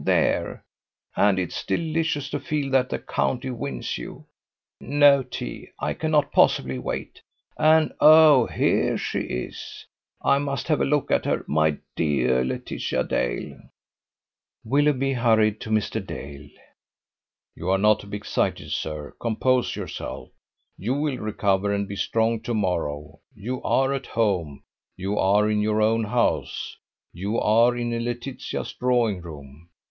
There! And it's delicious to feel that the county wins you. No tea. I cannot possibly wait. And, oh! here she is. I must have a look at her. My dear Laetitia Dale!" Willoughby hurried to Mr. Dale. "You are not to be excited, sir: compose yourself. You will recover and be strong to morrow: you are at home; you are in your own house; you are in Laetitia's drawing room.